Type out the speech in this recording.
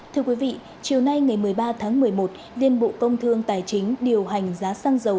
thưa quý vị chiều nay ngày một mươi ba tháng một mươi một liên bộ công thương tài chính điều hành giá xăng dầu